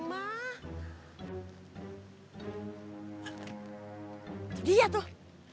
itu dia tuh